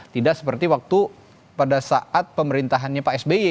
tidak seperti waktu pada saat pemerintahannya pak sby